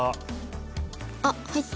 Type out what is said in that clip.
あっ入った。